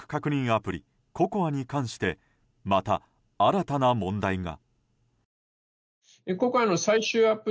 アプリＣＯＣＯＡに関してまた新たな問題が。